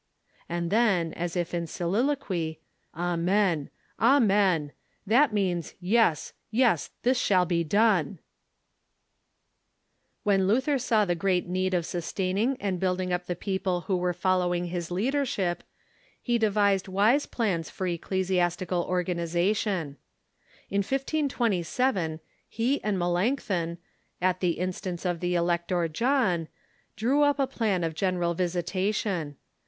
... (and then, as if in solilo quy) "Amen, Amen — that means. Yes, Yes, this shall be done I" AVhen Luther saw the great need of sustaining and build ing up the people Avho were following his leadership, he de Organization of '^'••'^P'^ ^^'isG plans for ecclesiastical organization. German Protes In 152 7 he and Melanchthon, at the instance of ^"^'^ the Elector John, drew up a plan of general visi tation.